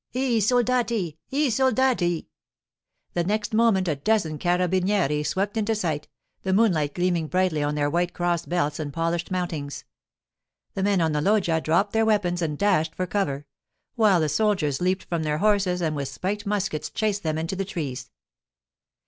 'I soldati! I soldati!' The next moment a dozen carabinieri swept into sight, the moonlight gleaming brightly on their white cross belts and polished mountings. The men on the loggia dropped their weapons and dashed for cover, while the soldiers leaped from their horses and with spiked muskets chased them into the trees.